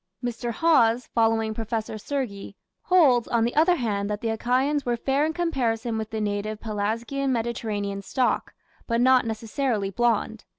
Mr. Hawes, following Professor Sergi, holds, on the other hand, that the Achaeans were "fair in comparison with the native (Pelasgian Mediterranean) stock, but not necessarily blonde".